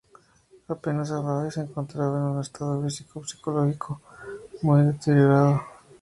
Apenas hablaba y se encontraba en un estado físico y psicológico muy deteriorado.